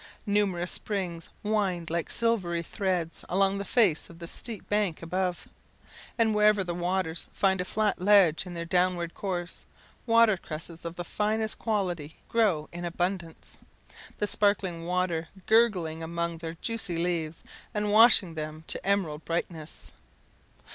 Numerous springs wind like silvery threads along the face of the steep bank above; and wherever the waters find a flat ledge in their downward course, water cresses of the finest quality grow in abundance, the sparkling water gurgling among their juicy leaves, and washing them to emerald brightness.